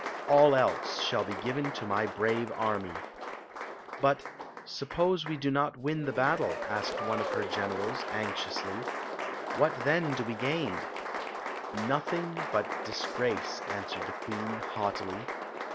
All else shall be given to my brave army." "But — suppose we do not win the battle?" asked one of her generals, anxiously. " What then do wc gam? "Nothing but di^race," answered the queen, .haughtily.